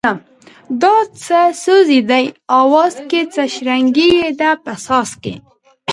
دا څه سوز یې دی اواز کی څه شرنگی یې دی په ساز کی